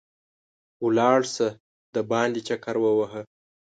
لاړ شه، بېرون چکر ووهه.